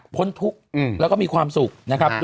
พ้นทุกข์แล้วก็มีความสุขนะครับ